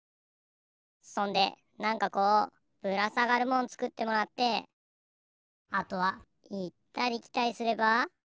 そんでなんかこうぶらさがるもんつくってもらってあとはいったりきたりすれば。